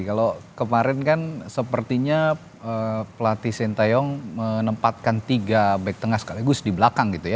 kalau kemarin kan sepertinya pelatih sintayong menempatkan tiga back tengah sekaligus di belakang gitu ya